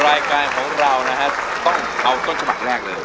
รายการของเรานะฮะต้องเอาต้นฉบับแรกเลย